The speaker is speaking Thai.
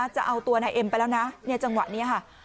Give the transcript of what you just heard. จะเอาตัวนายเอ็มไปแล้วนะจังหวะนี้ค่ะ